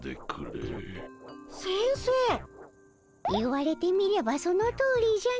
言われてみればそのとおりじゃのムダオ。